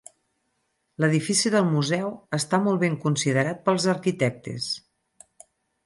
L'edifici del museu està molt ben considerat pels arquitectes.